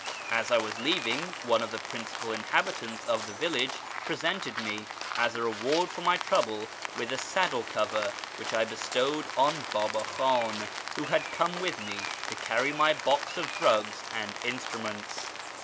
As I was leaving, one of the principal inhabitants of the village presented me, as a reward for my trouble, with a saddle cover, which I bestowed on Baba Khan, who had come with me to carry my box of drugs and instruments.